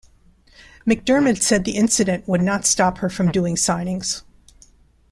McDermid said the incident would not stop her from doing signings.